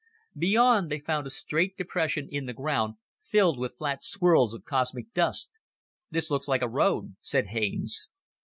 Beyond, they found a straight depression in the ground filled with flat swirls of cosmic dust. "This looks like a road," said Haines.